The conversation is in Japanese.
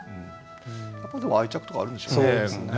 やっぱでも愛着とかあるんでしょうね。